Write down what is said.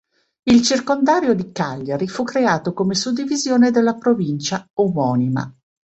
Il circondario di Cagliari fu creato come suddivisione della provincia omonima.